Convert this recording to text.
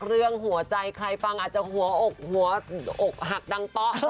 เรื่องหัวใจใครฟังอาจจะหัวกหักดังต๊อ